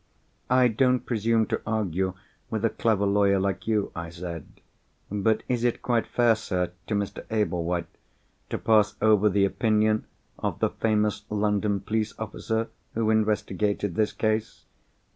"I don't presume to argue with a clever lawyer like you," I said. "But is it quite fair, sir, to Mr. Ablewhite to pass over the opinion of the famous London police officer who investigated this case?